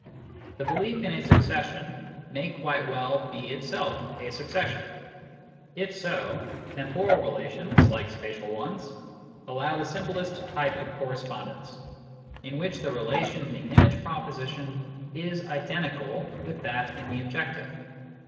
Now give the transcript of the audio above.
The belief in a succession may quite well be itself a succession. If so, temporal relations, like spatial ones, allow the simplest type of correspondence, in which the relation in the image proposition is identical with that in the objective.